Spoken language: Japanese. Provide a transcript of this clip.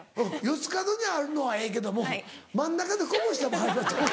四つ角にあるのはええけども真ん中でこぼした場合はどうなる？